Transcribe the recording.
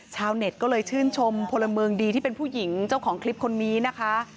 ชาวเน็ตก็เลยชื่นชมพลเมืองดีที่เป็นผู้หญิงเจ้าของคลิปคนนี้นะคะ